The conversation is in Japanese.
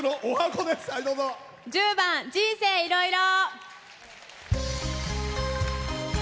１０番「人生いろいろ」。